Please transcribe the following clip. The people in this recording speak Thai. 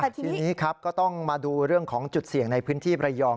แต่ทีนี้ครับก็ต้องมาดูเรื่องของจุดเสี่ยงในพื้นที่ประยอง